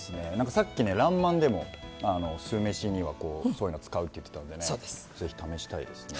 さっき「らんまん」でも酢飯には、そういうの使うって言っていたのでぜひ試したいですね。